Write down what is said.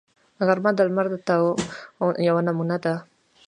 غرمه د لمر د تاو یوه نمونه ده